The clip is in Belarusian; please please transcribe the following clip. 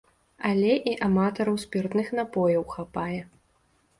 Але і аматараў спіртных напояў хапае.